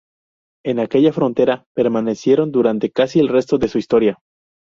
En aquella frontera permanecieron durante casi el resto de su historia.